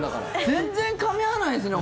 全然かみ合わないですね。